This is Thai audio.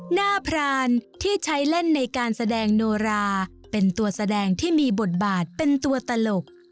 พรานที่ใช้เล่นในการแสดงโนราเป็นตัวแสดงที่มีบทบาทเป็นตัวตลก